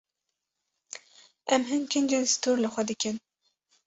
Em hin kincên stûr li xwe dikin.